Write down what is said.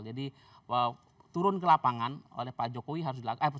jadi turun ke lapangan oleh pak jokowi harus dilakukan